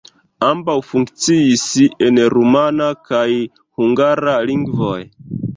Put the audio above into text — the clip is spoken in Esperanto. Ambaŭ funkciis en rumana kaj hungara lingvoj.